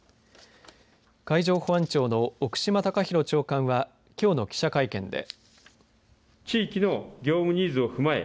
海上保安庁の奥島高弘長官はきょうの記者会見で。